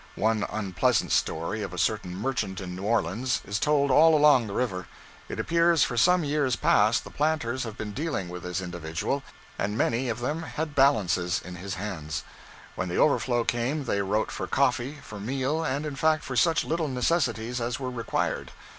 One unpleasant story, of a certain merchant in New Orleans, is told all along the river. It appears for some years past the planters have been dealing with this individual, and many of them had balances in his hands. When the overflow came they wrote for coffee, for meal, and, in fact, for such little necessities as were required.